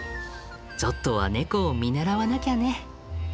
ちょっとはネコを見習わなきゃね。